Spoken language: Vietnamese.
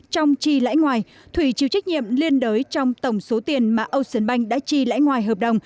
trong chi lãnh ngoài thủy chịu trách nhiệm liên đối trong tổng số tiền mà ocean bank đã chi lãnh ngoài hợp đồng